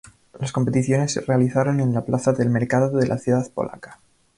Las competiciones se realizaron en la plaza del Mercado de la ciudad polaca.